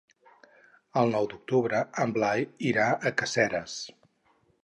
El nou d'octubre en Blai irà a Caseres.